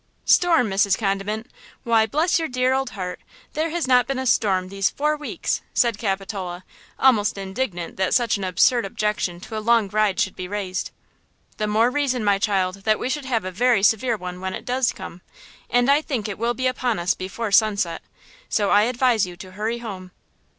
"Storm, Mrs. Condiment, why bless your dear old heart, there has not been a storm these four weeks!" said Capitola, almost indignant that such an absurd objection to a long ride should be raised. "The more reason, my child, that we should have a very severe one when it does come, and I think it will be upon us before sunset; so I advise you to hurry home."